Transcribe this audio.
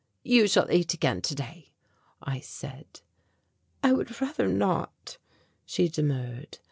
"You shall eat again today," I said. "I would rather not," she demurred.